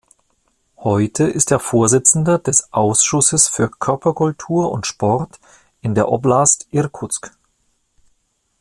Heute ist er Vorsitzender des Ausschusses für Körperkultur und Sport in der Oblast Irkutsk.